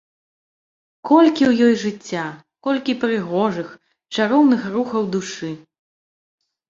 Колькі ў ёй жыцця, колькі прыгожых, чароўных рухаў душы!